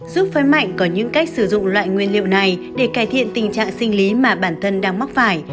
giúp phơi mạnh có những cách sử dụng loại nguyên liệu này để cải thiện tình trạng sinh lý mà bản thân đang mắc phải